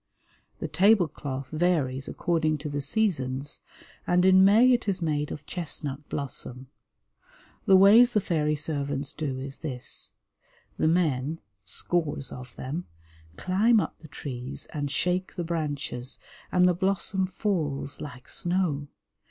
The table cloth varies according to the seasons, and in May it is made of chestnut blossom. The ways the fairy servants do is this: The men, scores of them, climb up the trees and shake the branches, and the blossom falls like snow.